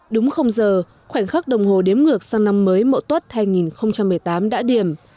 đúng không giờ khoảnh khắc đồng hồ đếm ngược sang năm mới mậu tuất hai nghìn một mươi tám đã điểm